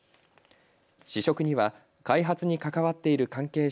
試食には開発に関わっている関係者